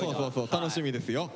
楽しみですよ。